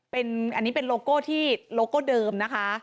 อันนี้เป็นโลโก้ที่โลโก้เดิมนะคะ